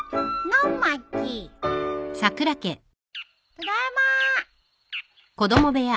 ただいま。